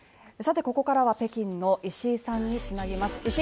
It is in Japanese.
ここからは北京の石井さんにつなげます。